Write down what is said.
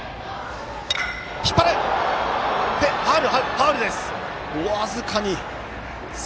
ファウルです！